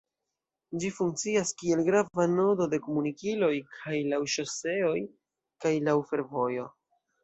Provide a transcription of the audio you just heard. Ĝi funkcias kiel grava nodo de komunikiloj kaj laŭ ŝoseoj kaj laŭ fervojo.